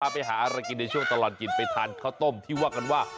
ไปหาอะไรกินในช่วงตลอดกินไปทานข้าวต้มที่ว่ากันว่า